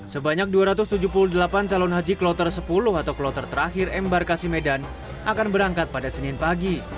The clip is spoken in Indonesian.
sebanyak dua ratus tujuh puluh delapan calon haji kloter sepuluh atau kloter terakhir embarkasi medan akan berangkat pada senin pagi